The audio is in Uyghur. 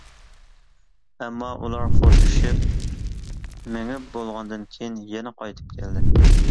ئەمما، ئۇلار خوشلىشىپ مېڭىپ بولغاندىن كېيىن، يەنە قايتىپ كەلدى.